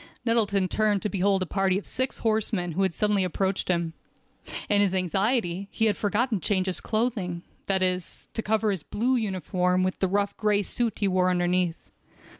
Nettleton turned to behold a party of six horsemen who had suddenly approached him. In his anxiety he had forgotten to change his clothing—that is, to cover his blue uniform with the rough gray suit he wore underneath.